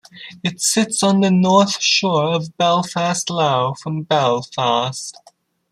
It sits on the north shore of Belfast Lough, from Belfast.